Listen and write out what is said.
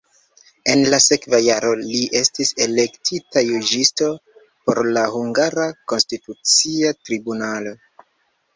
En la sekva jaro li estis elektita juĝisto por la hungara konstitucia tribunalo.